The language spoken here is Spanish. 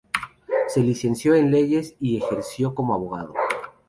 Se licenció en leyes y ejerció como abogado.